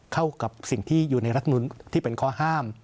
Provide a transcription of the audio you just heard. เข้ากับสิ่งที่อยู่ในรัฐมนุนที่เป็นข้อห้าม